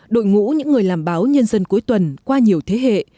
đội ngũ những người làm báo nhân dân cuối tuần qua nhiều thế hệ